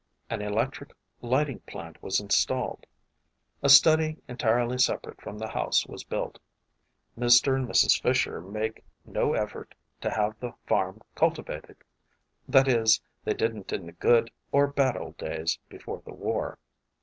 An electric lighting plant was installed. A study en tirely separate from the house was built. Mr. and Mrs. Fisher make no effort to have the farm culti vated. That is, they didn't in the good or bad old days before the war.